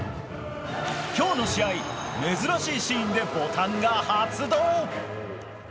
今日の試合珍しいシーンでボタンが発動。